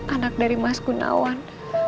anak dari mas gunawan